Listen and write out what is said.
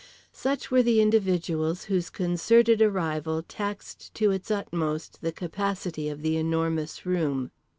Such were the individuals whose concerted arrival taxed to its utmost the capacity of The Enormous Room.